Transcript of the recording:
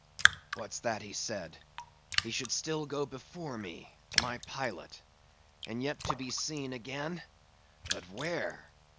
What's that he said? he should still go before me, my pilot; and yet to be seen again? But where?